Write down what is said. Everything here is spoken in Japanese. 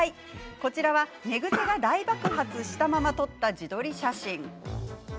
こちらは、寝癖が大爆発したまま撮った自撮り写真。